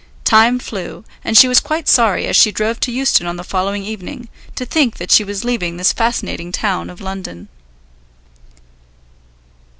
Time flew, and she was quite sorry, as she drove to Euston on the following evening, to think that she was leaving this fascinating town of London.